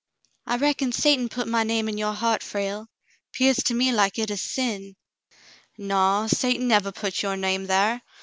'*I reckon Satan put my name in your heart, Frale; 'pears to me like it is sin." "Naw ! Satan nevah put your name thar.